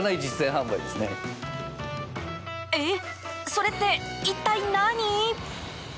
それって一体、何？